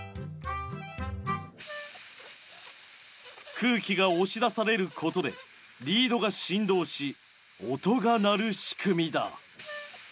空気が押し出されることでリードが振動し音が鳴る仕組みだ。